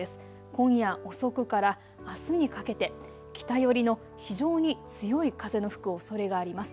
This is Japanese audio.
今夜遅くからあすにかけて北寄りの非常に強い風の吹くおそれがあります。